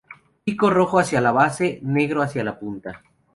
Pico rojo hacia la base, negro hacia la punta.